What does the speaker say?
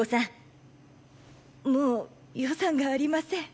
もう予算がありません。